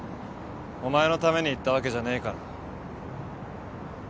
お前のために行ったわけじゃねえから。